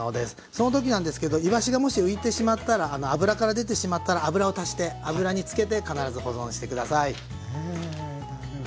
その時なんですけどいわしがもし浮いてしまったらあの油から出てしまったら油を足して油につけて必ず保存して下さい。ねなるほど。